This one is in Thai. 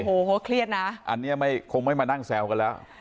โอ้โหเขาเครียดนะอันนี้ไม่คงไม่มานั่งแซวกันแล้ว